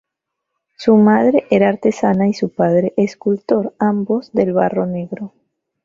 Su madre era artesana y su padre escultor, ambos del barro negro.